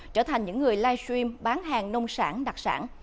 trở thành những người livestream bán hàng nông sản đặc sản